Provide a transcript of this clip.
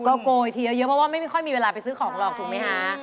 ก็โกไว้ที่เยอะเยอะมากแต่ว่าไม่ค่อยมีเวลาไปซื้อของหรอกถูกมั้ยฮะ